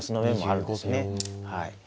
はい。